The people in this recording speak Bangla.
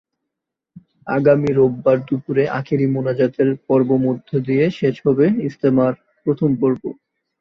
আগামী রোববার দুপুরে আখেরি মোনাজাতের মধ্য দিয়ে শেষ হবে ইজতেমার প্রথম পর্ব।